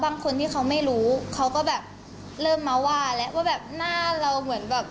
ว่านี่ไม่ใช่หนูนะ